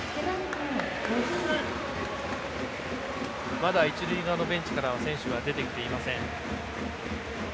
まだ一塁側のベンチからは選手は出てきていません。